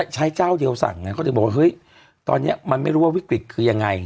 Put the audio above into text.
เจ้าเดียวสั่งไงเขาถึงบอกว่าเฮ้ยตอนนี้มันไม่รู้ว่าวิกฤตคือยังไง